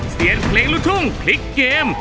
เสียงเพลงลูกทุ่งพลิกเกม